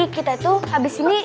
kita tuh abis ini